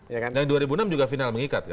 yang dua ribu enam juga final mengikat kan